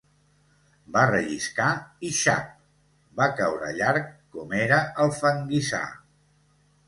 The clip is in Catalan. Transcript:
Va relliscar, i xap!, va caure llarg com era al fanguissar.